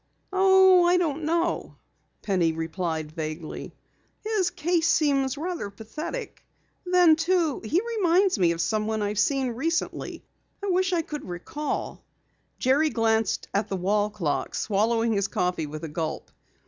"Oh, I don't know," Penny replied vaguely. "His case seems rather pathetic. Then, too, he reminds me of someone I've seen recently. I wish I could recall " Jerry glanced at the wall clock, swallowing his coffee with a gulp.